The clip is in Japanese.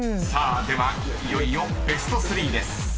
［ではいよいよベスト３です］